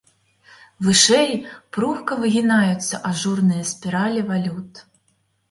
Вышэй пругка выгінаюцца ажурныя спіралі валют.